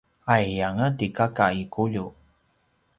aiyanga ti kaka i Kuliu